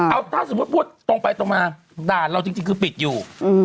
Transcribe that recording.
เอาถ้าสมมุติพูดตรงไปตรงมาด่านเราจริงคือปิดอยู่